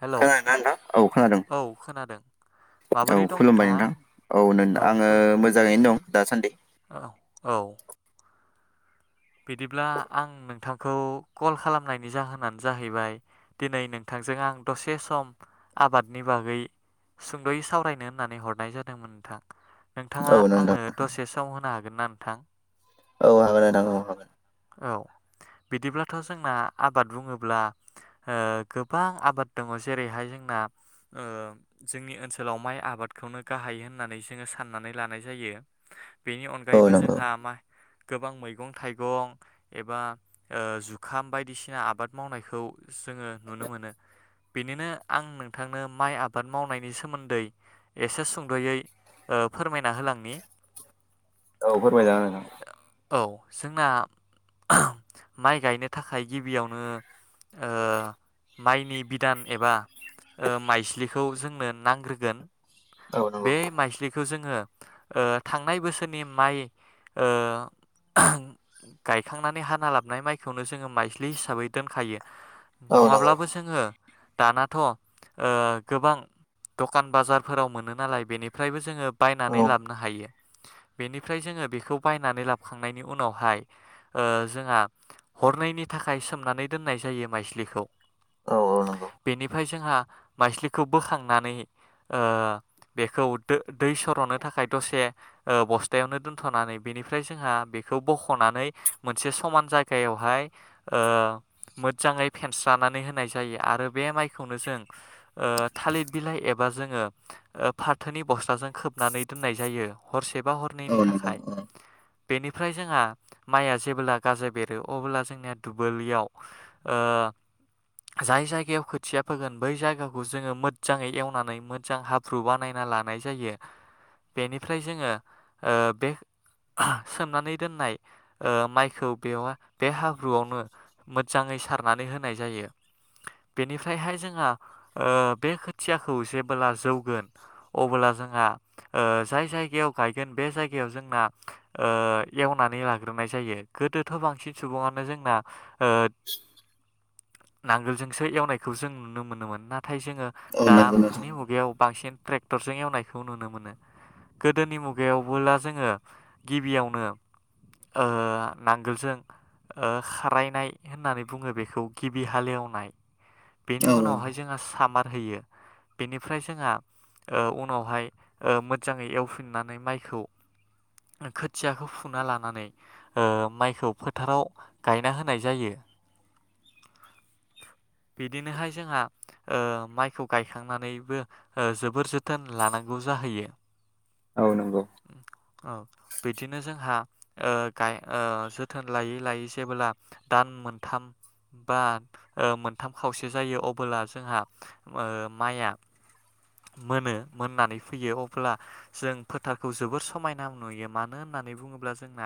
Hello खोनादोंना नोंथां? औ खोनादों औ खोनादों औ माबोरै दं खुलुमबाय नोंथाङा नोंथां औ आङो मोजाङैनो दं। दासानदि औ औ बिदिब्ला आं नोंथांखौ कल खालामनायनि जाहोनानो जाहैबाय दिनै नोंथांजों आं दसे सम आबादनि बागै सुंद'यै सावरायनो होननानै हरनाय जादोंमोन नोंथां। औ नोंथाङा नोंथां आंनो दसे सम होनो हागोनना? थां औ हागोन नोंथां औ हागोन। औ बिदिब्लाथ' जोंना आबाद बुङोब्ला ओ गोबां आबाद दङ जेरैहाय जोंना जोंनि ओनसोलाव माइ आबादखौनो गाहाय होननानै जोङो साननानै लानाय जायो। बेनि औ अनगायैबो नंगौ। जोंहा माइ गोबां मैगं थाइगं एबा ओ जुखाम बायदिसिना आबाद मावनायखौ जोङो नुनो मोनो। बिनिनो आं नोंथांनो माइ आबाद मावनायनि सोमोन्दै एसे सुंद'यै ओ फोरमायना होलांनि। औ फोरमायना हो नोंथां। औ जोंना माइ गायनो थाखाय गिबियावनो ओ माइनि बिदान एबा ओ माइज्लिखौ जों नो नांग्रोगोन। औ नंगौ बे माइज्लिखौ जों ओ जोङो थांनाय बोसोरनि माइ ओ गायखांनानै हाना लाबनाय माइखौनो जोङो माइज्लि हिसाबै दोनखायो। औ नंगौ नङाब्लाबो जोङो दानाथ' ओ गोबां दखान बाजारफोराव मोनो। नालाय बेनिफ्रायबो जोङो बायनानै औ लाबोनो हायो। बेनिफ्राय जोङो बेखौ बायनानै लाबखांनायनि उनावहाय ओ जोंहा हरनैनि थाखाय सोमनानै दोननाय जायो माइज्लिखौ औ औ नंगौ बेनिफ्राय जोंहा माइज्लिखौ बोखांनानै ओ बेखौ दो दै सर'नो थाखाय दसे ओ बस्थायावनो दोनथ'नानै बेनिफ्राय जोंहा बेखौ बख'नानै मोनसे समान जायगायावहाय ओ मोज्जाङै फेनस्रानानै होनाय जायो आरो बे माइखौनो जों ओ थालिर बिलाइ एबा जोङो ओ फाथोनि बस्थाजों खोबनानै दोननाय जायो हरसे बा औ हरनैनि नंगौ थाखाय औ। बेनिफ्राय जोंहा माइया जेबोला गाजा बेरो अब्ला जोंनिया दुबोलियाव ओ जाय जायगायाव खोथिया फोगोन बै जायगाखौ जोङो मोज्जाङै एवनानै मोज्जां हाब ब्रु बानायना लानाय जायो बेनिफ्राय जोङो ओ बे सोमनानै दोननाय ओ माइखौ बेव बे हाब्रुआवनो मोज्जाङै सारनानै होनाय जायो बेनिफ्रायहाय जोंहा ओ बे खोथियाखौ जेबोला जौ गोन अबोला जोंहा ओ जाय जायगायाव गायगोन बे जायगायाव जोंना ओ एवनानै लाग्रोनाय जायो। गोदोथ' बांसिन सुबुङानो जोंना ओ नांगोलजोंसो एवनायखौ जों नुनो मोनोमोन। नाथ थाय जोङो औ नंगौ नोंथां दानि मुगायाव बांसिन ट्रेक्टरजों एवनायखौ नुनो मोनो। गोदोनि मुगायावबोला जोङो गिबियावनो ओ नांगोलजों ओ खारायनाय होननानै बुङो बेखौ गिबि हालेवनाय बेनि औ औ। उनावहाय जोङा सामार होयो। बेनिफ्राय जोंहा ओ उनावहाय ओ मोजाङै एवफिननानै माइखौ ओ खोथियाखौ फुना लानानै ओ माइखौ फोथाराव गायना होनाय जायो बिदिनोहाय जोंहा ओ माइखौ गायखांनानैबो ओ जोबोर जोथोन लानांगौ जाहैयो। औ नोंगौ औ बिदिनो जोंहा ओ गाय ओ जोथोन लायै लायै जेबोला दान मोनथाम बा ओ मोनथाम खावसे जायो अबोला जोंहा ओ माइआ मोनो, मोननानै फैयो अब्ला जों फोथारखौ जोबोर समायना नुयो। मानो होननानै बुङोब्ला जोंना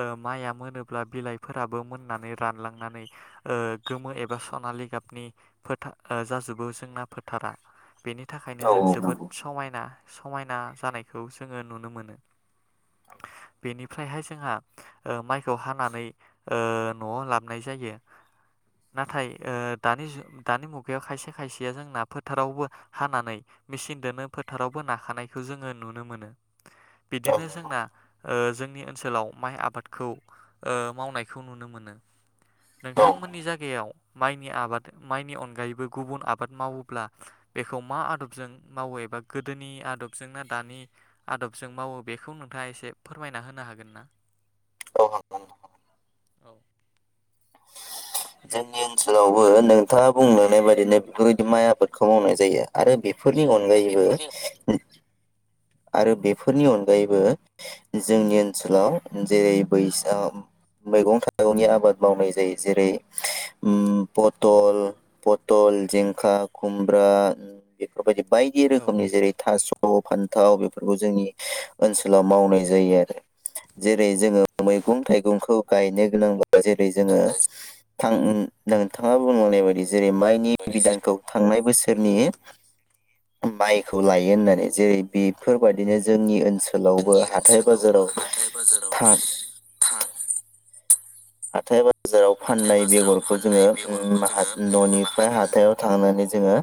ओ माइआ मोनोब्ला बिलाइफोराबो मोननानै रानलांनानै ओ गोमो एबा सनालि गाबनि फोथार ओ जाजोबो जोंना फोथारा। बेनि थाखायनो औ जों औ जोबोद नंगौ समायना समायना जानायखौ जोङो नुनो मोनो। बेनिफ्रायहाय जोंहा ओ माइखौ हानानै ओ न'आव लाबनाय जायो। नाथाय ओ दानि जु दानि मुगायाव खायसे खायसेया जोंना फोथारावबो हानानै मेसिनदोनो फोथारावबो नाखानायखौ जोङो नुनो मोनो। औ बिदिनो नंगौ औ जोंना ओ जोंनि ओनसोलाव माइ आबादखौ ओ मावनायखौ नुनो मोनो। नोंथांमोननि जागायाव माइनि आबाद माइनि अनगायैबो गुबुन आबाद मावोब्ला बेखौ मा आदबजों मावो एबा गोदोनि आदबजों ना दानि आदबजों मावो बेखौ नोंथाङा एसे फोरमायना होनो हागोन ना औ हागोन। जोंनि ओनसोलावबो नोंथाङा बुंलांनाय बायदिनो बेफोरबायदि माइ आबादखौ मावनाय जायो। आरो बे फोरनि अनगायैबो आरो बेफोरनि अनगायैबो जोंनि ओनसोलाव जेरै बैसां मैगं थाइगंनि आबाद मावनाय जायो जेरै उम पटल पटल, जिंखा, खुमब्रा बेफोरबायदि बायदि औ। रोखोमनि जेरै थास, फान थाव बेफोरखौ जोंनि ओनसोलाव मावनाय जायो आरो जेरै जोङो मैगं थाइगंखौ गायनो गोनां जेरै जोङो बायदि थां नोंथाङा बुंलांनाय बायदि जेरै माइनि जे बिदांखौ थांनाय बोसोर सोरनि माइखौ लायो होननानै जेरै बेफोरबायादिनो जोंनि ओनसोल जोंनि ओनसोलावबो हाथाय बाजाराव था थां हाथाय बा जायाव हाथाय फाननाय बाजाराव बेगरखौ जोंङो फाननाय उम बेगरखौ निमाहा जोङो उम हा न'निफ्राय हाथायाव थांनानै जोंङो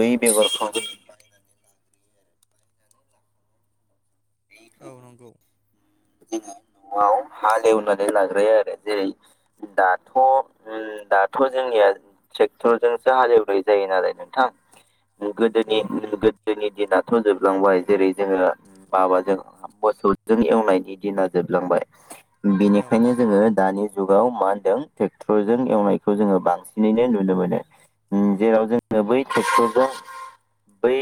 बै बेगरखौ औ नंगौ। जोंङो न'आव हालेवनानै लाग्राया आरो जेरै दाथ उम' दाथ' जोंनिया ट्रेक्टरजोंसो हालेवनाय जायो नालाय नोंथां। उम औ गोदोनि नंगौ गोदोनि दिना थ'जोबलांबाय जेरै जोंङो माबाजों मोसौजों एवनायनि दिना जोबलांबाय औ बेनिखायनो जोंङो दानि जुगाव मा होनदों ट्रेक्टरजों एवनायखौ जोंङो बांसिनैनो नुनो मोनो जेराव जोंङो बै ट्रेक्टरजों बै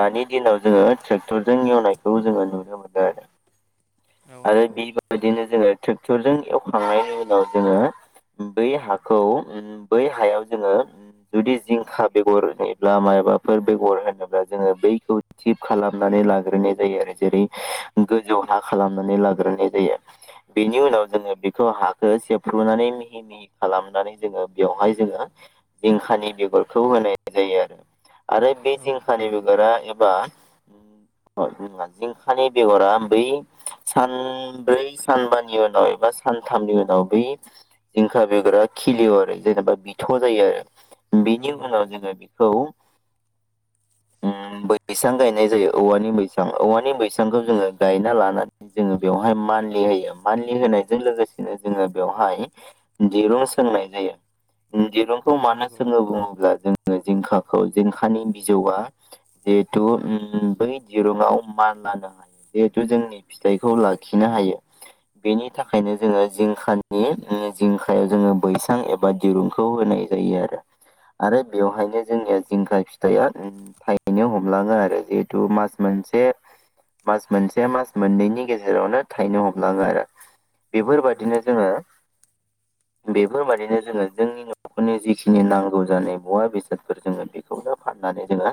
दानि दिनाव जोंङो ट्रेक्टरजों मावनायखौ जोंङो नुनो मोनो आरो। औ आरो नंगौ बेबायदिनो जोंङो ट्रेक्टरजों एवखांनायनि उनाव जोंङो बै हाखौ उम बै हायाव जोंङो जुदि जिंखा बेगर होनब्ला माबाफोर बेगर होनोब्ला जोंङो बैखौ थिप खालामनानै लाग्रोनाय जायो आरो। जेरै- गोजौ हा खालामनानै लाग्रोनाय जायो बेनि उनाव जोंङो बेखौ हाखौ सेबफ्रुनानै मिहि मिहि खालामनानै जोंङो बेवहाय जोंङो जिंखानि बेगरखौ होनाय जायो आरो। आरो बे औ जिंखानि बेगरा बा जिंखानि बेगरा बै सानब्रै सानबानि उनाव एबा सानथामनि उनाव बै जिंखा बेगरा खिलिवो आरो जेनेबा बिथ' जायो आरो। औ बेनि नंगौ उनाव जोंङो बेखौ उम बैसां गायनाय जायो औवानि बैसां औवानि बैसांखौ जोंङो गायना लानानै जोंङो बेवहाय मान्थलि होयो मान्थलि होनायजों लोगोसेनो जोंङो बेवहाय दिरुं सोंनाय जायोव उम दिरुंखौ औ मानो नंगौ सोंङो बुंङोब्ला जों यो जिंखाखौ जिंखानि बिजौआ जिहेथु उम बै दिरुंआव मान लानो हायो। जिहेथु जोंनि फिथाइखौ लाखिनो हायो बेनि थाखायनो जोंङो जिंखानि जिंखायाव जोंङो बैसां एबा दिरुंखौ होनाय जायो आरो आरो बेवहायनो जोंनिया जिंखा फिथाइया थायैनो हमलांङो आरो जिहेतु मास मोनसे मास मोनसे मास मोननैनि गेजेरावनो थायनो हमलांङो आरो। औ नंगौ बेफोरबायादिनो जोंङो बेफोरबादिनो जोङो जोंनि न'खरनि जिखिनि नांगौ जानाय मुवा बेसादफोर जोंङो बेखौनो फाननानै जोंङो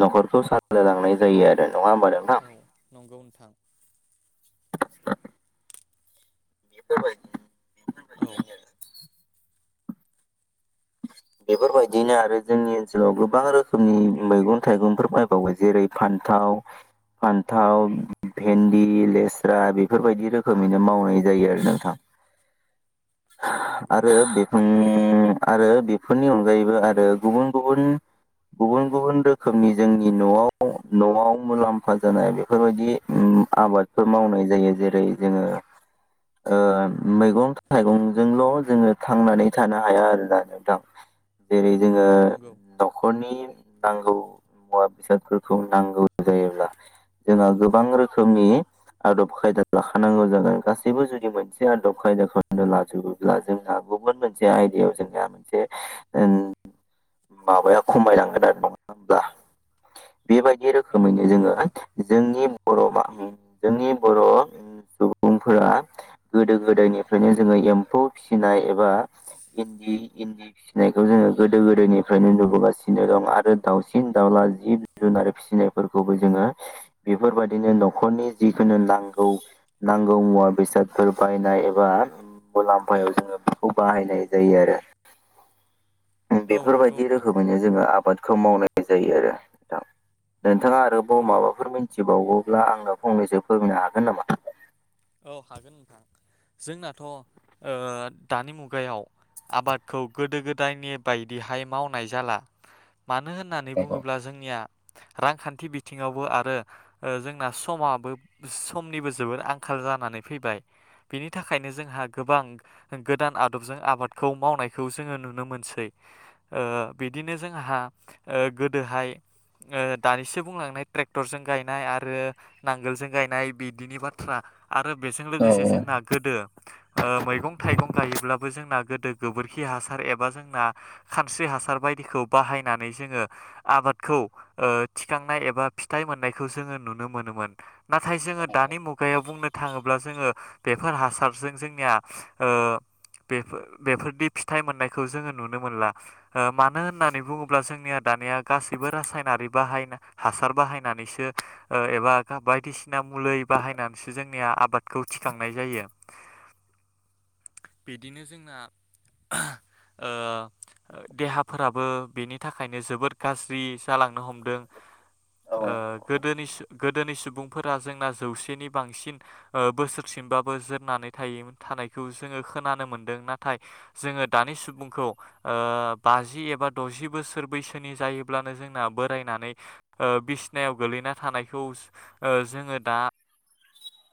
न'खरखौ सालायलांनाय जायो आरो नंङा होमबा नोंथां औ नंगौ नोंथां। [unintelligible] बेफोर बाइदि औ बेफोरबायदिनो आरो जोंनि ओनसोलाव गोबां रोखोमनि मैगं थाइगंफोर बायबावो जेरै फान्थाव फान्थाव भेन्दि लेस्रा बेफोरबायदि रोखोमैनो मावनाय जायो आरो नोंथां औ नंगौ आरो नोंथां [unintelligible] आरो बेफोरनि अनगायैबो आरो गुबुन-गुबुन गुबुन-गुबुन रोखोमनि जोंनि न'आव न'आव मुलाम्फा जानाय बेफोरबायदि उम आबादफोर मावनाय जायो। जेरै-जोंङो ओ मैगं थाइगंजोंल' जोंङो थांनानै थानो हाया आरो। [unintelligible] नोंथां जेरै जोंङो उम नंगौ न'खरनि नांगौ मुवा बेसादफोरखौ नांगौ जायोब्ला जोंहा गोबां रोखोमनि आदब खायदा लाखानांगौ जागोन गासैबो जुदि मोनसे आदब खायदाखौ लाजोबोब्ला जोंहा गुबुन मोनसे आयदायाव जों या मोनसे ओन माबाया खमायनांगोन आरो नंङा होमब्ला? बेबायदि औ रोखोमैनो नंगौ जोंङो नोंथां जोंनि बर'आ हुम जोंनि बर' सुबुंफोरा गोदो गोदायनिफ्रायनो जोंङो एम्फौ फिसिनाय एबा इन्दि इन्दि फिसिनायखौ जोङो गोदो गोदायनिफ्रायनो नुबोगासिनो दं आरो दावसिन दाउला जिब जुनार फिसिनायफोरखौबो जोङो बेफोरबायदिनो नख'रनि जिखुनु नांगौ नांगौ मुवा बेसादफोर बायनाय एबा मुलाम्फायाव जोङो बेखौ बाहायनाय जायो आरो। औ नंगौ बेफोरबायदि नोंथां रोखोमैनो जोङो आबाद खौ मावनाय जायो आरो नोंथां। नोंथाङा आरोबाव नंगौ माबाफोर मिनथिबावगौ ब्ला आङो फंनैसो फोरमायनो हागोन नामा? औ हागोन नोंथां जोंनाथ' दानि मुगायाव आबादखौ गोदो गोदायनि बायदिहाय मावनाय जाला। मानो होननानै बुङोब्ला जोंनिया रांखान्थि बिथिङावबो आरो ओ जोंना समाबो समनिबो जोबोर आं खाल जानानै फैबाय बिनि थाखायनो जोंहा गोबां गोदान आदबजों आबादखौ मावनायखौ जोङो नुनो मोनसै ओ बिदिनो जोंहा ओ गोदोहाय ओ दानिसो बुंलांनाय ट्रेक्टरजों गायनाय आरो नांगोलजों गायनाय बिदिनि बा थ्रा आरो बेजों औ लोगोसे जोंना गोदो ओ मैगं थाइगं गायोब्लाबो जोंना गोदो गोबोरखि हासार एबा जोंना खानस्रि हासार बायदिखौ बाहायनानै जोङो आबादखौ ओ थिखांनाय एबा फिथाइ मोननायखौ जोङो नुनो मोनोमोन। नाथाय जोङो दानि मुग गायाव बुंनो थाङोब्ला जोङो बेफोर हासारजों जोंनिया ओ बेफोर बेफोरदि फिथाइ मोननायखौ जोङो नुनो मोनला। मानो होननानै बुङोब्ला जोंनिया दानिया गासैबो रासायनारि बाहायना हासार बाहायनानैसो ओ एबा बायदिसिना मुलि बाहायनानै जोंनिया आबादखौ थिखांनाय जायो बिदिनो जोंना ओ देहाफोराबो बेनि थाखायनो जोबोद गाज्रि जालांनो हमदों ओ गोदोनि सु गोदोनि सुबुंफोरा जोंना जौसेनि बांसिन ओ बोसोरसिमबाबो जोरनानै थायोमोन थानायखौ जोङो खोनानो मोनदों नाथाय जोङो दानि सुबुंखौ ओ बाजि एबा दजि बोसोर बैसोनि जायोब्लानो जोंना बोरायनानै ओ बिसनायाव गोलैना थानायखौ ओ जोङो दा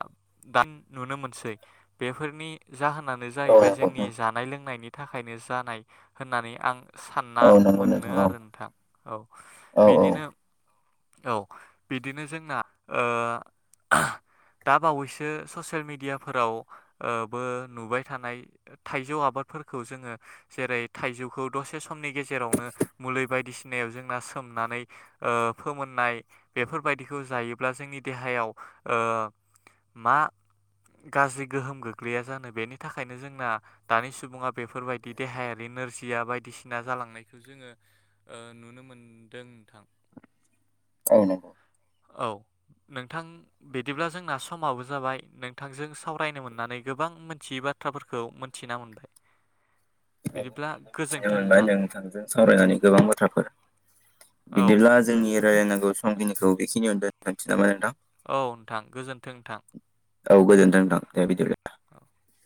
[unintelligible] नुनो मोनसै बेफोरनि जाहोनानो औ जाहैबाय जोंनि नंगौ जानाय लोंनायनि थाखायनो जानाय होननानै आं सानना औ नंगौ मोनो नोंथां औ आरो नोंथां औ औ औ बिदिनो औ बिदिनो जोंना ओ। दा बावैसो ससियेल मेडियाफोरावओबो नुबाय थानाय थाइजौ आबादफोरखौ जोङो जेरै थाइजौखौ दसे समनि गेजेरावनो मुलि बायदिसिनायाव जोंना सोमनानै ओ फोमोननाय बेफोरबायदिखौ जायोब्ला जोंनि देहायाव ओ मा गाज्रि गोहोम गोग्लैया जानो बेनि थाखायनो जोंना दानि सुबुङा बेफोरबायदि देहायारि नोरजिया बायदिसिना जालांनायखौ जोङो ओ नुनो मोनदों नोंथां। औ नंगौ। औ नोंथां बिदिब्ला जोंना समाबो जाबाय नोंथांजों सावरायनो मोननानै गोबां मोनथियै बाथ्राफोरखौ मोनथिना मोनबाय। बिदिब्ला आंबो मिथिनो गोजोन्थों मोनबाय नोंथां नोंथांजों सावरायनानै गोबां बाथ्राफोर औ बिदिब्ला जोंनि रायलायनांगौ सम खिनिखौ बेखिनियावनो दोनथनोसै नामा नोंथां? औ नोंथां गोजोनथों नोंथां। औ गोजोन्थों नोंथां दे बिदिब्ला। [inaudible]